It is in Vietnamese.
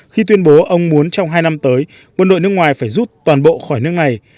khi tuyên bố ông muốn trong hai năm tới quân đội nước ngoài phải rút toàn bộ khỏi nước này